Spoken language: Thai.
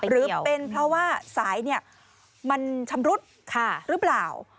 หรือเป็นเพราะว่าสายมันชำรุดหรือเปล่า